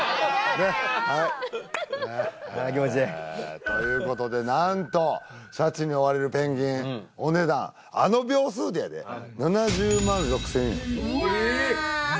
気持ちええということで何とシャチに追われるペンギンお値段あの秒数でやで７０万６０００円ええっ